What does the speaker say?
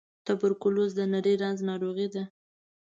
توبرکلوز د نري رنځ ناروغۍ ده.